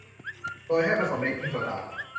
โดยให้ผสมเบกกิ้งโซดา